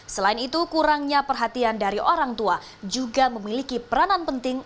selain itu kurangnya perhatian dari orang tua juga memiliki peranan penting